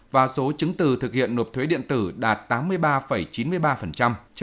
và số chứng từ thực hiện nộp thuế điện tử đạt tám mươi ba chín mươi ba